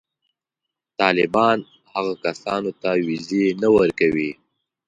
طالبان هغو کسانو ته وېزې نه ورکوي.